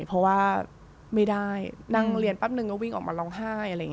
เพราะว่าไม่ได้นั่งเรียนปั๊บหนึ่งก็วิ่งออกมาร้องไห้